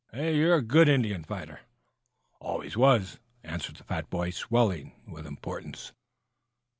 You're a good Indian fighter." "Always was," answered the fat boy, swelling with importance.